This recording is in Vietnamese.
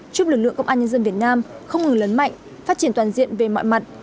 chúc lực lượng công an nhân dân việt nam không ngừng lớn mạnh phát triển toàn diện về mọi mặt